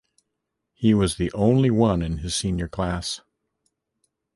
He was the only one in his senior class.